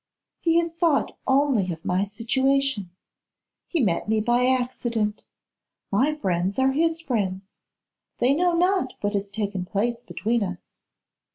He has thought only of my situation. He met me by accident. My friends are his friends. They know not what has taken place between us.